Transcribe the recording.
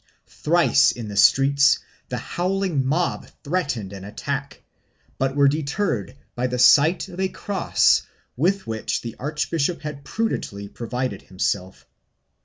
Thrice, in the streets, the howling mob threatened an attack, but were deterred by the sight of a cross with which the archbishop had prudently provided him self.